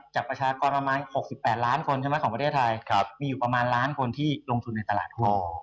ประชากรประมาณ๖๘ล้านคนใช่ไหมของประเทศไทยมีอยู่ประมาณล้านคนที่ลงทุนในตลาดหุ้น